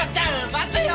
待てよ！